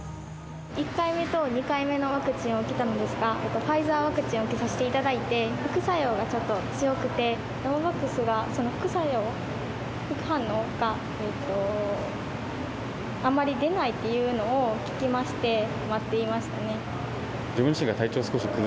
１回目と２回目のワクチンを受けたのですが、ファイザーワクチンを受けさせていただいて、副作用がちょっと強くて、ノババックスは、その副作用、副反応があんまり出ないっていうのを聞きまして、待っていましたね。